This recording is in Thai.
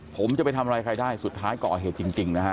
ผมจะไปทำอะไรใครได้สุดท้ายก่อเหตุจริงนะฮะ